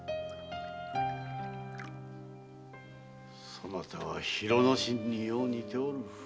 そなたは広之進によう似ておる。